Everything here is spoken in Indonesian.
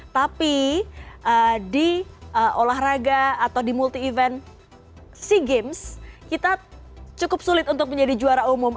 tapi di olahraga atau di multi event sea games kita cukup sulit untuk menjadi juara umum